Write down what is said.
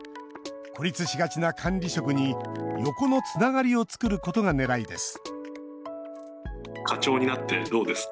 孤立しがちな管理職に横のつながりを作ることがねらいです